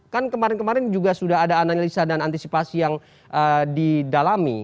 kan kemarin kemarin juga sudah ada analisa dan antisipasi yang didalami